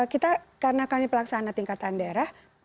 kita karena kami pelaksana tingkatan daerah